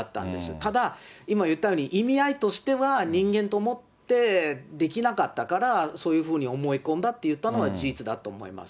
ただ、今言ったように、意味合いとしては、人間と思ってできなかったから、そういうふうに思い込んだと言ったのは事実だと思います。